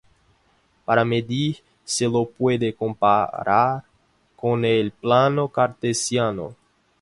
Para medir se lo puede comparar con el plano cartesiano.